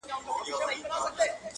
دا داسي سوى وي،